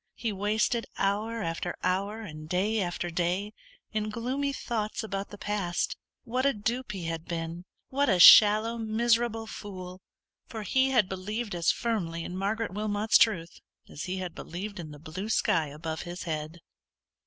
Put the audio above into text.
He wasted hour after hour, and day after day, in gloomy thoughts about the past. What a dupe he had been! what a shallow, miserable fool! for he had believed as firmly in Margaret Wilmot's truth, as he had believed in the blue sky above his head.